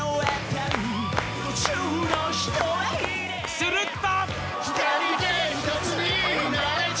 すると！